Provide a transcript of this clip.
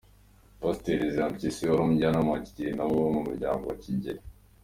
Pasiteri Ezra Mpyisi wari umujyanama wa Kigeli nabo mumuryango wa Kigeli